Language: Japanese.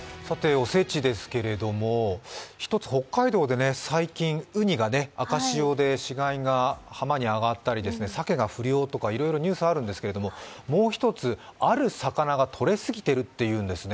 おせちですけれども、一つ北海道で最近、うにが赤潮で死骸が浜に上がったりさけが不漁とかいろいろニュースがあるんですけど、もう一つある魚がとれすぎているというんですね。